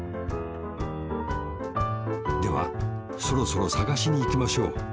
ではそろそろさがしにいきましょう。